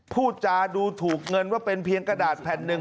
พูดจาดูถูกเงินว่าเป็นเพียงกระดาษแผ่นหนึ่ง